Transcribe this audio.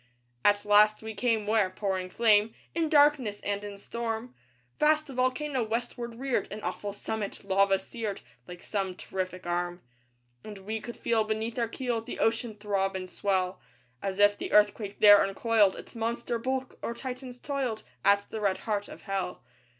At last we came where pouring flame In darkness and in storm, Vast a volcano westward reared An awful summit, lava seared, Like some terrific arm. And we could feel beneath our keel The ocean throb and swell, As if the Earthquake there uncoiled Its monster bulk, or Titans toiled At the red heart of Hell.